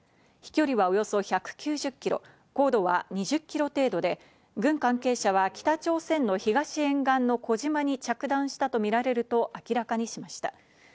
飛距離はおよそ１９０キロ、高度は２０キロ程度で、軍関係者は北朝鮮の東沿岸の小島に着弾したとみられると明らかにしました。